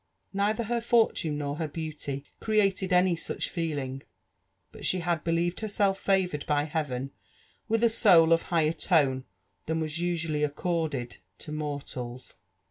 Neither her fortune nor her beauty created any such feeling, but she had believed herself favoured by Heaven with a soul of higher tone than was usually accorded lo mortals.